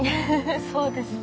そうですね。